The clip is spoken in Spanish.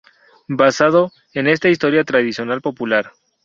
Basado, en esta historia tradicional popular.